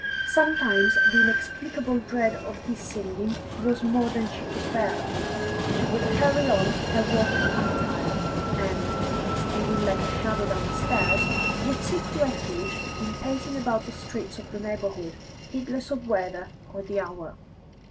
Sometimes the inexplicable dread of his singing was more than she could bear; she would hurry on her walking attire, and, stealing like a shadow down the stairs, would seek refuge in pacing about the streets of the neighbourhood, heedless of weather or the hour.